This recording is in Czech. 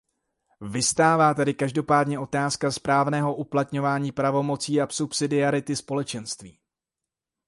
Vyvstává tedy každopádně otázka správného uplatňování pravomocí a subsidiarity Společenství.